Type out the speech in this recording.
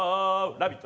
「ラヴィット！」